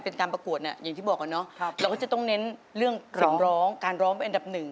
พร้อมไหมครับลูกพร้อมครับ